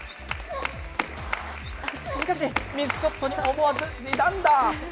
しかしミスショットに思わず地団駄。